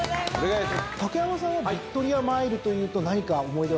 竹山さんはヴィクトリアマイルというと何か思い出はありますか？